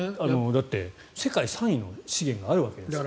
だって、世界３位の資源があるわけですから。